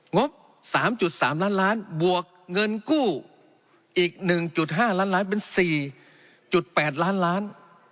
งบ๓๓ล้านบวกเงินกู้อีก๑๕ล้านเป็น๔๘ล้าน